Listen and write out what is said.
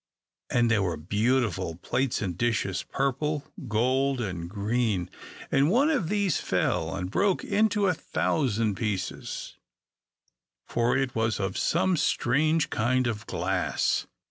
And there were beautiful plates and dishes, purple, gold, and green; and one of these fell, and broke into a thousand pieces, for it was of some strange kind of glass.